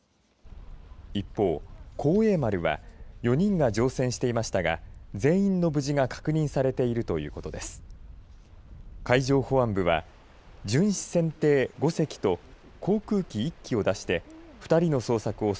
一方、幸栄丸は４人が乗船していましたが全員の無事が確認されているということです。